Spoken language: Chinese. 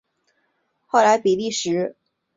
后来比利时在天津开设了租界。